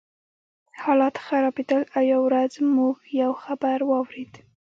حالات خرابېدل او یوه ورځ موږ یو خبر واورېد